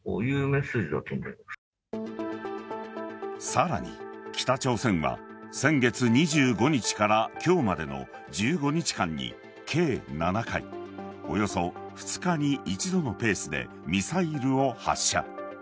さらに北朝鮮は先月２５日から今日までの１５日間に計７回およそ２日に１度のペースでミサイルを発射。